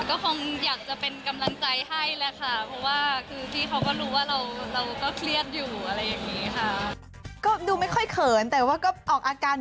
ก็คงอยากจะเป็นกำลังใจให้เลยค่ะ